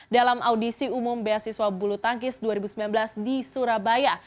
dalam audisi umum beasiswa bulu tangkis dua ribu sembilan belas di surabaya